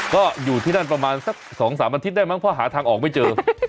ก็อยู่ที่นั่นประมาณสัก๒๓อาทิตย์ได้มั้งเพราะหาทางออกไม่เจอ